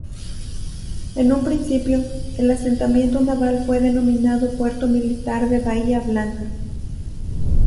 En un principio, el asentamiento naval fue denominado Puerto Militar de Bahía Blanca.